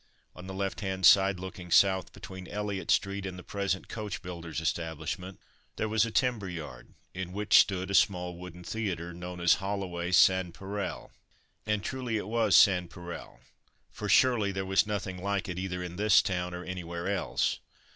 On the left hand side, looking south, between Elliot street and the present coach builders' establishment, there was a timber yard, in which stood a small wooden theatre, known as "Holloway's Sans Pareil," and truly it was Sans Pareil, for surely there was nothing like it, either in this town or anywhere else.